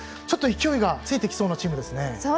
ちょっと勢いがついてきそうなチームですね。